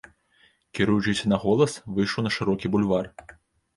Кіруючыся на голас, выйшаў на шырокі бульвар.